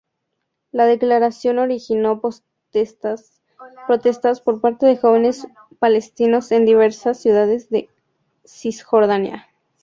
La declaración originó protestas por parte de jóvenes palestinos en diversas ciudades de Cisjordania.